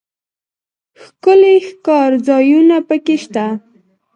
ښکلي ښکارځایونه پکښې شته.